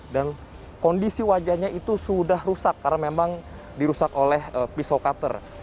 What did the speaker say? dan kondisi wajahnya itu sudah rusak karena memang dirusak oleh pisau kater